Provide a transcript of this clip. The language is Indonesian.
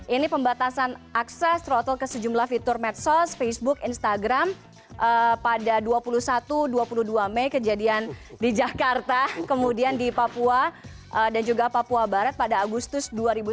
ini pembatasan akses throttle ke sejumlah fitur medsos facebook instagram pada dua puluh satu dua puluh dua mei kejadian di jakarta kemudian di papua dan juga papua barat pada agustus dua ribu sembilan belas